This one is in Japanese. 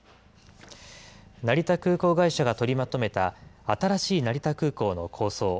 成田空港会社が取りまとめた新しい成田空港の構想。